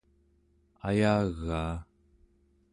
ayagaa